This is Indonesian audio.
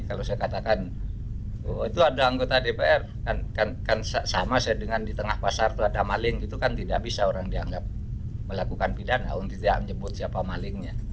kalau saya katakan itu ada anggota dpr kan sama saya dengan di tengah pasar itu ada maling itu kan tidak bisa orang dianggap melakukan pidana untuk tidak menyebut siapa malingnya